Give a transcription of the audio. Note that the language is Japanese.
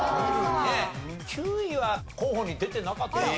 ９位は候補に出てなかったかな。